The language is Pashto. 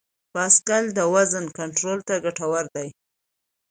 بایسکل د وزن کنټرول ته ګټور دی.